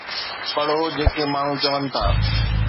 پڙهو جيڪي ماڻهو چون ٿا